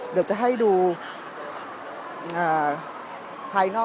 เดี๋ยวจะให้ดูว่าค่ายมิซูบิชิเป็นอะไรนะคะ